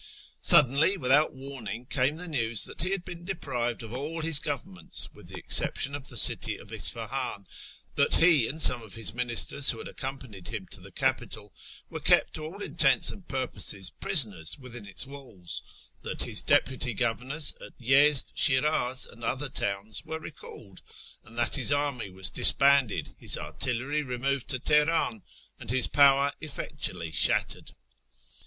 Suddenly, without any warning, came the news that he had been deprived of all his governments, with the exception of the city of Isfahan ; that he and some of his ministers wdio had accompanied him to the capital were kept to all intents and purposes prisoners within its walls ; that his deputy governors at Yezd, Shiraz, and other towns were TEH ERA N 105 recalled ; and that his army was disbanded, his artillery re moved to Teheran, and his power effectually shattered.